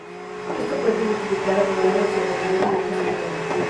Esto puede identificar agujeros de seguridad y otros problemas.